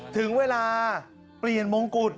ถึงเวลาเปลี่ยนมงกุฎ